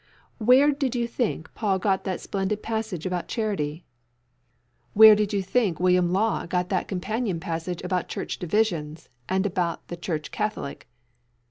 Where did you think Paul got that splendid passage about charity? Where did you think William Law got that companion passage about Church divisions, and about the Church Catholic?